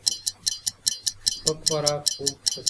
سپک خوراک خوب ښه کوي.